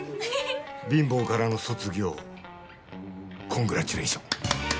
貧乏からの卒業コングラチュレーション！